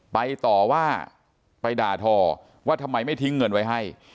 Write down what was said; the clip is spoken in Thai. ไปต่อว่าไปด่าทอว่าทำไมไม่ทิ้งเงินไว้ให้